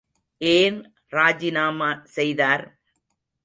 ஏன் ராஜிநாமா செய்தார்?